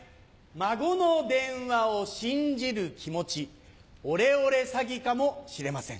孫の電話を信じる気持ちオレオレ詐欺かもしれません。